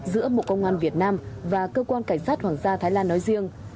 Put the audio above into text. giữa bộ công an việt nam và cơ quan cảnh sát hoàng gia thái lan nói riêng